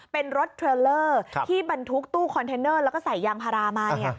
เป็นรถเทรลเลอร์ที่บรรทุกตู้คอนเทนเนอร์แล้วก็ใส่ยางพารามา